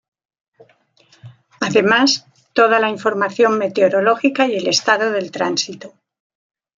Además, toda la información meteorológica y el estado del tránsito.